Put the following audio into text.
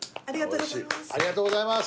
ありがとうございます。